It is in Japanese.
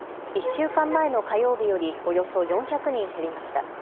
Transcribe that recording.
１週間前の火曜日よりおよそ４００人減りました。